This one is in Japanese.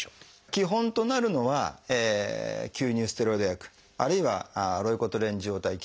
基本となるのは吸入ステロイド薬あるいはロイコトリエン受容体拮抗薬。